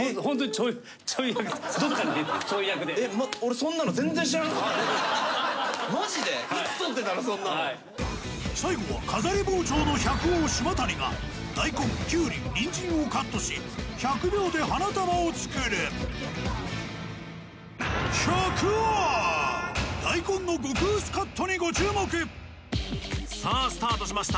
そんなの最後は飾り包丁の百王島谷が大根きゅうりにんじんをカットし１００秒で花束を作る大根の極薄カットにご注目さあスタートしました